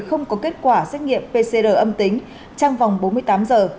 không có kết quả xét nghiệm pcr âm tính trong vòng bốn mươi tám giờ